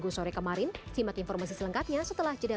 jika keadaan tidak baik kemudian kita tidak akan keseluruhan